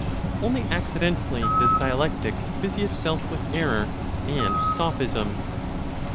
Only accidentally does dialectics busy itself with error and sophisms.